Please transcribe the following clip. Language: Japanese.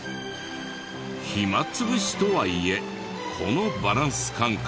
暇潰しとはいえこのバランス感覚。